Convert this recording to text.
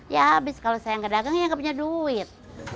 ya abis kalau saya yang kedagang ya yang punya duit